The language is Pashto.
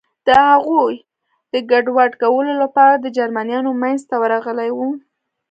د هغوی د ګډوډ کولو لپاره د جرمنیانو منځ ته ورغلي و.